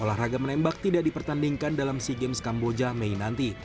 olahraga menembak tidak dipertandingkan dalam sea games kamboja mei nanti